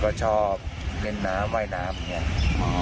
ก็ชอบเล่นน้ำว่ายน้ำอย่างนี้